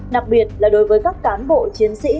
đặc biệt là đối với các cán bộ chiến sĩ